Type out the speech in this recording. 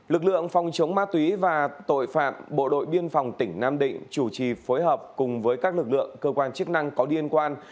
lực lượng phòng chống ma túy và tội phạm bộ đội biên phòng tỉnh nam định chủ trì phối hợp cùng với các lực lượng cơ quan chức năng có liên quan